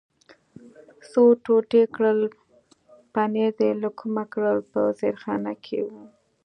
څو ټوټې کړل، پنیر دې له کومه کړل؟ په زیرخانه کې و.